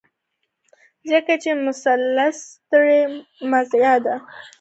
ځکه چې مسلسل سټرېس مازغۀ پۀ زيات الرټ